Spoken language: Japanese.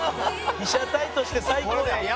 被写体として最高や。